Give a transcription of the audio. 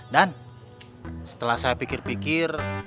dan setelah saya pikir pikir